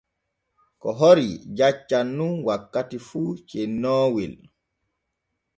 Ko horii jaccan nun wakkati fu cennoowel.